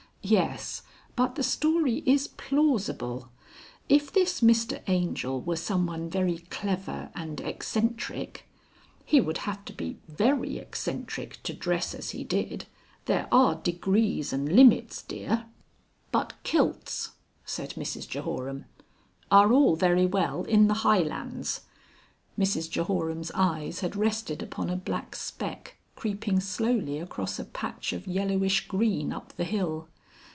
"Yes. But the story is plausible. If this Mr Angel were someone very clever and eccentric " "He would have to be very eccentric to dress as he did. There are degrees and limits, dear." "But kilts," said Mrs Jehoram. "Are all very well in the Highlands...." Mrs Jehoram's eyes had rested upon a black speck creeping slowly across a patch of yellowish green up the hill.